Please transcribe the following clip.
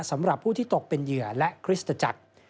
สำหรับผู้ที่ตกเป็นเหยื่อและคริสตจักร